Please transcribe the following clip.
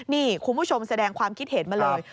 นี่คุณผู้ชมแสดงความคิดเห็นมาเลย